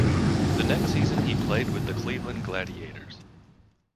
The next season he played with the Cleveland Gladiators.